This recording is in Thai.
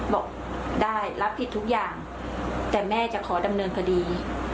บอกได้รับผิดทุกอย่างแต่แม่จะขอดำเนินคดี